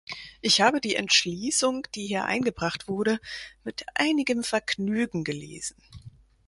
Ich habe die Entschließung, die hier eingebracht wurde, mit einigem Vergnügen gelesen.